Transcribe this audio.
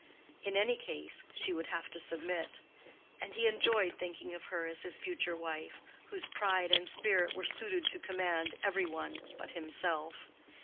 In any case, she would have to submit; and he enjoyed thinking of her as his future wife, whose pride and spirit were suited to command every one but himself.